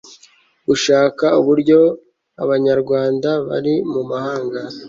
gushaka uburyo abanyarwanda bari mu mahanga